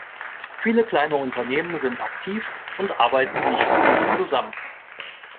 Viele kleine Unternehmen sind aktiv und arbeiten nicht genug zusammen.